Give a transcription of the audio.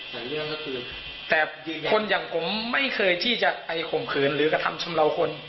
หลายเรื่องก็คือแต่คนอย่างผมไม่เคยที่จะไปข่มขืนหรือกระทำชำเลาคน